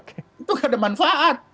itu tidak ada manfaat